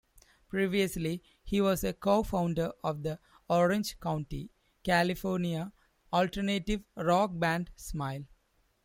Previously, he was a co-founder of the Orange County, California alternative-rock band, Smile.